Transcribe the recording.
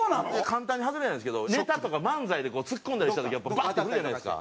簡単に外れないんですけどネタとか漫才でツッコんだりした時にやっぱバンッていくじゃないですか。